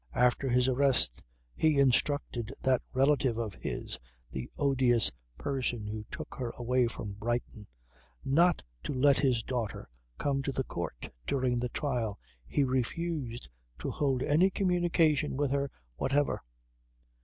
After his arrest he instructed that relative of his the odious person who took her away from Brighton not to let his daughter come to the court during the trial. He refused to hold any communication with her whatever."